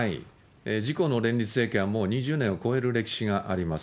自公の連立政権は２０年を超える歴史があります。